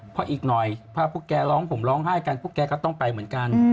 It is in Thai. เพราะอีกหน่อยพาพวกแกร้องห่มร้องไห้กันพวกแกก็ต้องไปเหมือนกัน